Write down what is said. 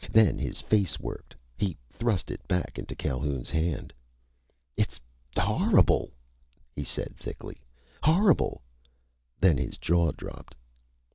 Then his face worked. He thrust it back into Calhoun's hand. "It's horrible!" he said thickly. "Horrible!" Then his jaw dropped.